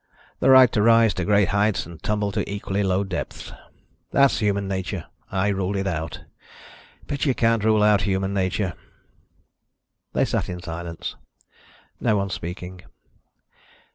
The right to rise to great heights and tumble to equally low depths. That's human nature and I ruled it out. But you can't rule out human nature." They sat in silence, no one speaking.